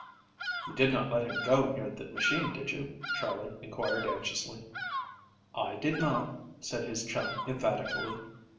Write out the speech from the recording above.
"You did not let him go near the machine, did you?" Charley inquired anxiously. "I did not," said his chum emphatically.